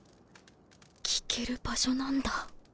聞ける場所なんだ